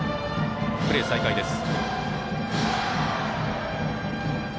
プレー再開です。